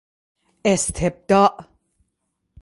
استبداع